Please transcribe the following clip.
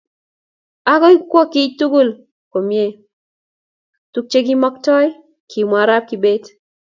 Akoi kwo kiy tukul komye tukchekimaktoi. Kimwa Arap Kibet